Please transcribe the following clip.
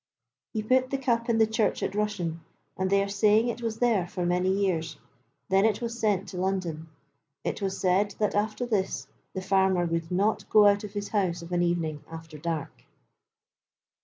He put the cup in the Church at Rushen, and they are saying it was there for many years; then it was sent to London. It is said that after this the farmer would not go out of his house of an evening after dark.